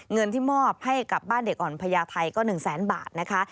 เงินที่มอบให้กับบ้านเด็กอ่อนพญาไทยก็๑แสนบาทนะคะ